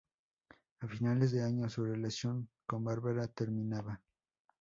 A finales de año, su relación con Bárbara terminaba.